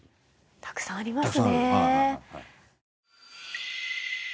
たくさんありますね。